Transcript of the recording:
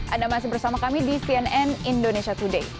anda masih bersama kami di cnn indonesia today